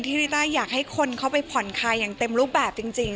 ริต้าอยากให้คนเข้าไปผ่อนคลายอย่างเต็มรูปแบบจริง